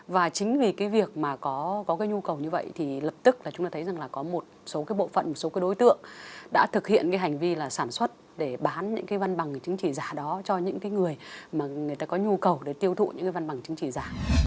và chính vì cái việc mà có cái nhu cầu như vậy thì lập tức là chúng ta thấy rằng là có một số cái bộ phận một số cái đối tượng đã thực hiện cái hành vi là sản xuất để bán những cái văn bằng chứng chỉ giả đó cho những cái người mà người ta có nhu cầu để tiêu thụ những cái văn bằng chứng chỉ giả